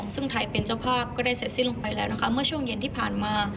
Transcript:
ซึ่งไทยเป็นเจ้าภาพก็ได้เสร็จสิ้นลงไปแล้วนะคะเมื่อช่วงเย็นที่ผ่านมา